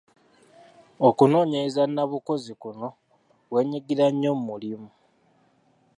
Okunoonyereza nnabukozi kuno weenyigira nnyo mu mulimu.